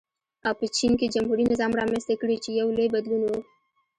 او په چین کې جمهوري نظام رامنځته کړي چې یو لوی بدلون و.